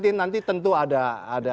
tapi nanti tentu ada tuntun